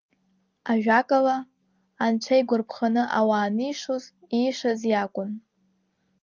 Ажәакала, анцәа игәарԥханы ауаа анишоз иишаз иакәын.